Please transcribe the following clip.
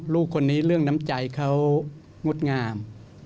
ลูกคนนี้เรื่องน้ำใจเขางดงาม